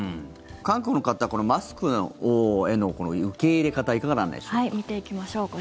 韓国の方マスクへの受け入れ方いかがなんでしょうか。